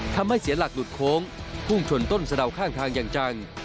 ทำให้เสียหลักหลุดโค้งพุ่งชนต้นสะดาวข้างทางอย่างจัง